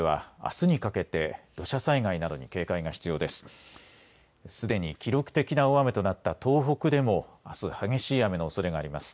すでに記録的な大雨となった東北でもあす激しい雨のおそれがあります。